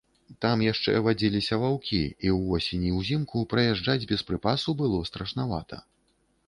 Там яшчэ вадзіліся ваўкі, і ўвосень і ўзімку праязджаць без прыпасу было страшнавата.